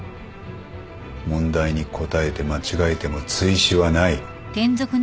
問題に答えて間違えても追試はない。